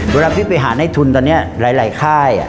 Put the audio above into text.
เวลาพี่ไปหาในทุนตอนนี้หลายค่าย